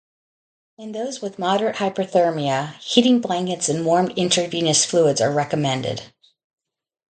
In those with moderate hypothermia heating blankets and warmed intravenous fluids are recommended.